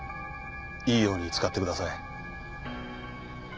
いいように使ってください。